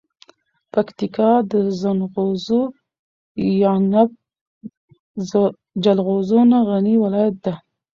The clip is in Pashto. پکتیکا د زنغوزو یعنب جلغوزو نه غنی ولایت ده.